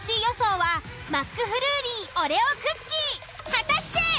果たして。